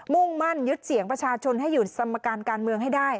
มุ่งมั่นยึดเสียงประชาชนให้หยุดสมการการเมืองให้ได้